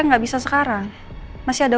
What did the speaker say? nggak bisa sekarang masih ada